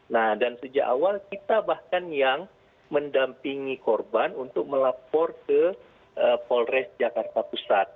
nah dan sejak awal kita bahkan yang mendampingi korban untuk melapor ke polres jakarta pusat